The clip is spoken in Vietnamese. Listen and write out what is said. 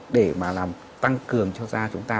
để mà làm tăng cường cho da chúng ta